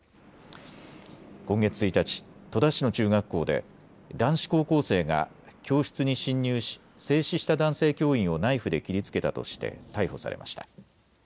今月１日、戸田市の中学校で男子高校生が教室に侵入し制止した男性教員をナイフで切りつけたとして逮捕されました。